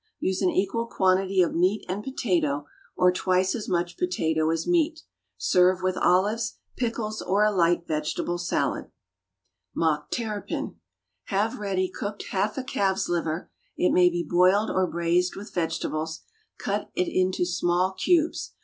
Use an equal quantity of meat and potato, or twice as much potato as meat. Serve with olives, pickles or a light vegetable salad. =Mock Terrapin.= Have ready cooked half a calf's liver (it may be boiled or braised with vegetables). Cut it into small cubes.